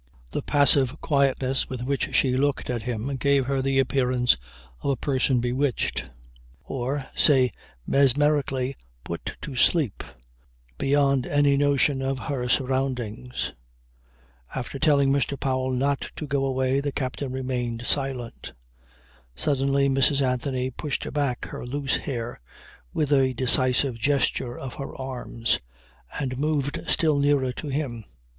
The passive quietness with which she looked at him gave her the appearance of a person bewitched or, say, mesmerically put to sleep beyond any notion of her surroundings. After telling Mr. Powell not to go away the captain remained silent. Suddenly Mrs. Anthony pushed back her loose hair with a decisive gesture of her arms and moved still nearer to him.